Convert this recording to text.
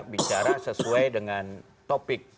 bicara sesuai dengan topik